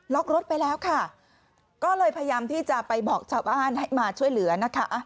รถไปแล้วค่ะก็เลยพยายามที่จะไปบอกชาวบ้านให้มาช่วยเหลือนะคะ